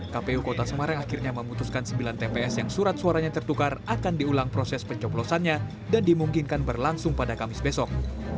kpu kota semarang akhirnya memutuskan sembilan tps yang surat suaranya tertukar akan diulang proses pencoblosannya dan dimungkinkan berlangsung pada kamis besok